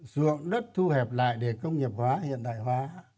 dụng đất thu hẹp lại để công nghiệp hóa hiện đại hóa